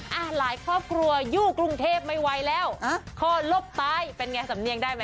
หลายครอบครัวอยู่กรุงเทพไม่ไหวแล้วข้อลบตายเป็นไงสำเนียงได้ไหม